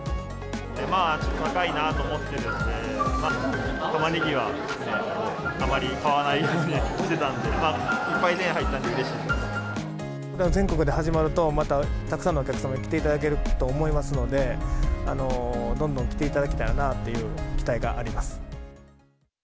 ちょっと高いなと思ってるんで、たまねぎはあまり買わないようにしてたんで、いっぱい手に入った全国で始まると、またたくさんのお客様に来ていただけると思いますので、どんどん来ていただけたらなという期待があります。